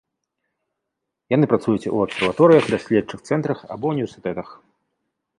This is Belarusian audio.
Яны працуюць у абсерваторыях, даследчых цэнтрах або ўніверсітэтах.